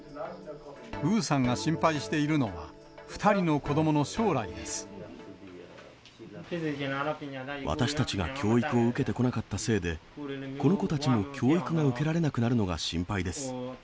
ウーさんが心配しているのは、私たちが教育を受けてこなかったせいで、この子たちも教育が受けられなくなるのが心配です。